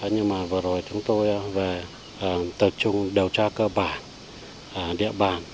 nhưng mà vừa rồi chúng tôi về tập trung điều tra cơ bản địa bàn